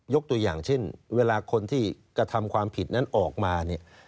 ตัวอย่างเช่นเวลาคนที่กระทำความผิดนั้นออกมาเนี่ย